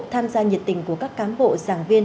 tham gia nhiệt tình của các cán bộ giảng viên